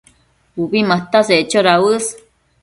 Ubi mataseccho dauës